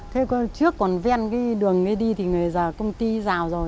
thế trước còn ven cái đường đi thì công ty rào rồi